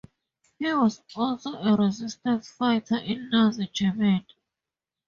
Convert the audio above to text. He was also a resistance fighter in Nazi Germany.